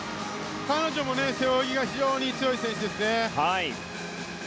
彼女も背泳ぎが非常に強い選手ですね。